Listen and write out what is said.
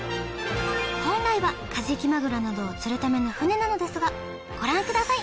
本来はカジキマグロなどを釣るための船なのですがご覧ください